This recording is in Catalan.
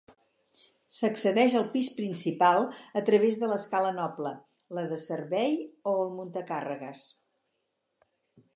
S'accedeix al pis principal a través de l'escala noble, la de servei o el muntacàrregues.